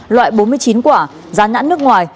loại bốn mươi chín quả giá nhãn nước ngoài